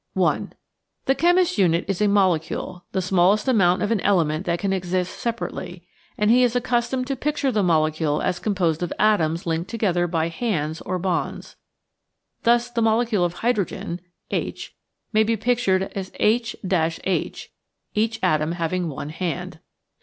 1 The chemist's unit is a molecule, the smallest amount of an element that can exist separately, and he is accustomed to picture the molecule as composed of atoms linked together by hands or bonds. Thus the molecule of hydrogen (H.) may be pictured as H H, each atom having one hand.